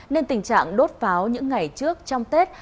nên tình trạng đốt pháo những ngày trước trong tết